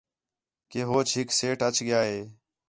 کہ ہوچ ہِک سیٹھ اَچ ڳِیا ہِے